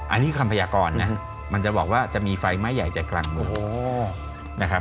อันนี้คำพยากรนะมันจะบอกว่าจะมีไฟไหม้ใหญ่ใจกลางเมืองนะครับ